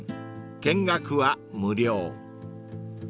［見学は無料］